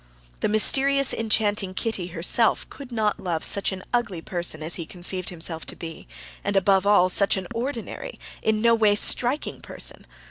The mysterious, enchanting Kitty herself could not love such an ugly person as he conceived himself to be, and, above all, such an ordinary, in no way striking person.